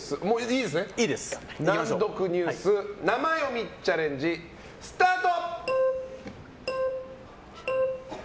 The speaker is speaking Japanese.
難読ニュース生読みチャレンジスタート！